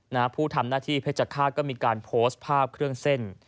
ผู้ทำหน้าที่เพชรฆาตก็มีการโพสต์ภาพเครื่องเส้น